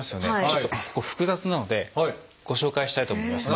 ちょっとここ複雑なのでご紹介したいと思います。